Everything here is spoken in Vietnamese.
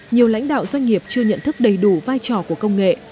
nhiều lãnh đạo doanh nghiệp chưa nhận thức đầy đủ vai trò của công nghệ